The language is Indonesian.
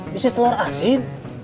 bisnis telur asin